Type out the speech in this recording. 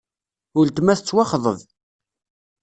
Uletma tettwaxḍeb.